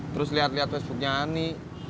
terus liat liat facebooknya ani